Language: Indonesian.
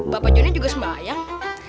bapak jonny juga sembahyang